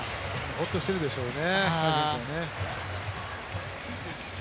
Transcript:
ホッとしているでしょうね。